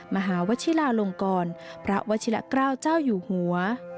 มหาวชิลาลงกรพระวชิละเกล้าเจ้าอยู่หัว